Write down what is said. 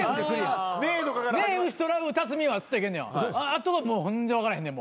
あとはもう分からへんねん